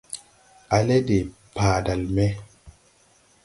A lɛ de padal me dɔ.